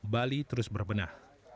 bali terus berbenah